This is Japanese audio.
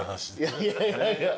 いやいやいやいや。